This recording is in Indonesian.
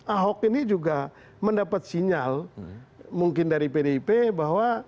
ahok ini juga mendapat sinyal mungkin dari pdip bahwa